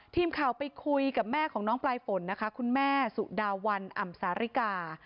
ทีมข่าวไปคุยกับแม่ของน้องปลายฝนนะคะคุณแม่สุดาวันอ่ำสาริกา